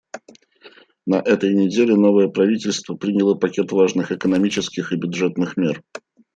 На этой неделе новое правительство приняло пакет важных экономических и бюджетных мер.